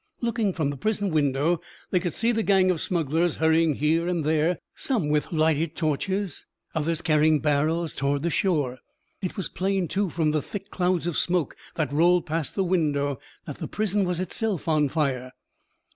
Looking from the prison window they could see the gang of smugglers hurrying here and there, some with lighted torches, others carrying barrels towards the shore. It was plain, too, from the thick clouds of smoke that rolled past the window that the prison was itself on fire.